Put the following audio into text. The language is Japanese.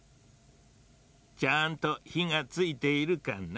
ちゃんとひがついているかな？